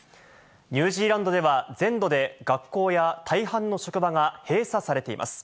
ニュージーランドでは全土で学校や大半の職場が閉鎖されています。